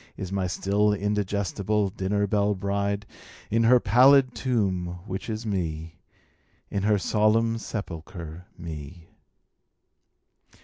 Is n^y still indigestible dinner belle bride, In her pallid tomb, which is Me, In her solemn sepulcher, Me.